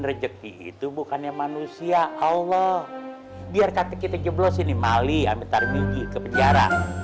rezeki itu bukannya manusia allah biar kakek kita jeblos ini mali amit tarmiji ke penjara